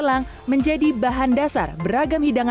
langsung disiram gitu aja